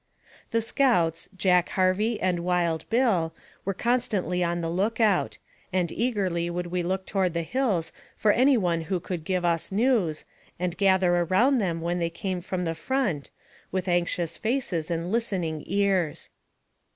The scouts, Jack Harvey and " Wild Bill," were con stantly on the lookout, and eagerly would we look toward the hills for any one who could give us news, 20 234 NARRATIVE OP CAPTIVITY and gather around them, when they came from the front, with anxious faces and listening ears.